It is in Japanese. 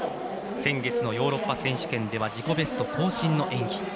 先月のヨーロッパ選手権では自己ベスト更新の演技。